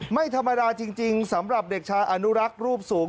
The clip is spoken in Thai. ไม่ธรรมดาจริงสำหรับเด็กชายอนุรักษ์รูปสูง